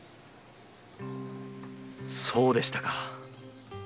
そうでしたか。